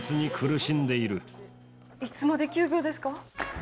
いつまで休業ですか？